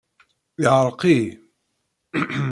Yeɛreq-iyi.